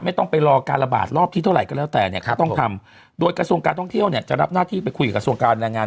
ไม่ต้องไปรอการระบาดรอบที่เท่าไหร่ก็แล้วแต่เนี่ยก็ต้องทำโดยกระทรวงการท่องเที่ยวเนี่ยจะรับหน้าที่ไปคุยกับกระทรวงการแรงงาน